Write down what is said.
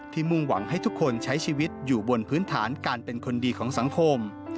มุ่งหวังให้ทุกคนใช้ชีวิตอยู่บนพื้นฐานการเป็นคนดีของสังคม